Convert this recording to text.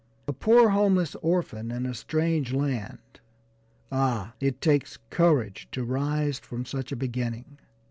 A poor, homeless orphan, in a strange land ah! it takes courage to rise from such a beginning.